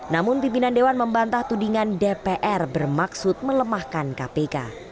namun pimpinan dewan membantah tudingan dpr bermaksud melemahkan kpk